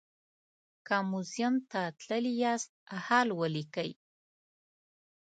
که موزیم ته تللي یاست حال ولیکئ.